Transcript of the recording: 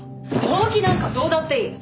動機なんかどうだっていい。